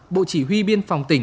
bộ chỉ huy biên phòng tỉnh